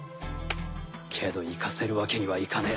けど行かせるわけにはいかねえ。